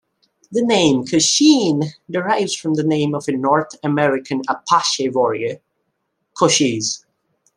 The name Kosheen derives from the name of a North American Apache Warrior, Cochise.